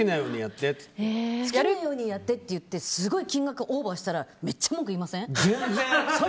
やるようにやってって言ってすごく金額オーバーしたらめっちゃ文句言いません？